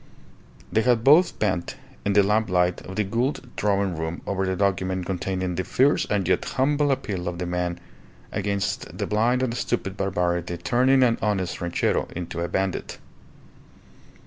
They had both bent in the lamplight of the Gould drawing room over the document containing the fierce and yet humble appeal of the man against the blind and stupid barbarity turning an honest ranchero into a bandit.